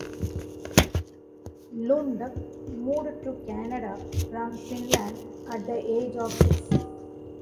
Lund moved to Canada from Finland at the age of six.